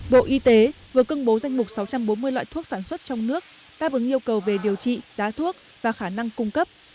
bộ y tế vừa cưng bố danh mục sáu trăm bốn mươi loại thuốc sản xuất trong nước đáp ứng yêu cầu về điều trị giá thuốc và khả năng cung cấp